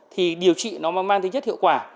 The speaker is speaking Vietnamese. thì điều trị nó mang thế chất hiệu quả